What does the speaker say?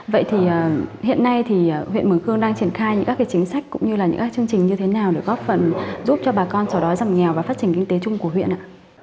vậy thì hiện nay thì huyện mường khương đang triển khai những các cái chính sách cũng như là những các chương trình như thế nào để góp phần giúp cho bà con xóa đói giảm nghèo và phát triển kinh tế chung của huyện ạ